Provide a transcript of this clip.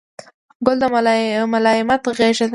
ګل د ملایمت غېږه ده.